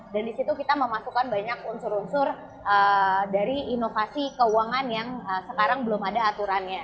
dan di situ kita memasukkan banyak unsur unsur dari inovasi keuangan yang sekarang belum ada aturannya